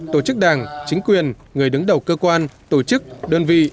tổ chức đảng chính quyền người đứng đầu cơ quan tổ chức đơn vị